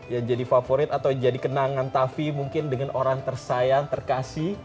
ya jadi favorit atau jadi kenangan tavi mungkin dengan orang tersayang terkasih